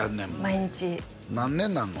毎日何年になるの？